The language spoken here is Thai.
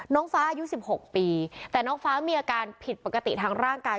น้องฟ้าอายุ๑๖ปีแต่น้องฟ้ามีอาการผิดปกติทางร่างกาย